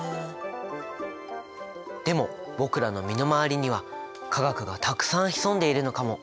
でも僕らの身の回りには化学がたくさん潜んでいるのかも。